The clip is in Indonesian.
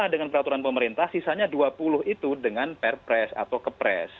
dengan peraturan pemerintah sisanya dua puluh itu dengan perpres atau kepres